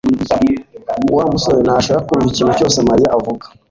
Wa musore ntashaka kumva ikintu cyose Mariya avuga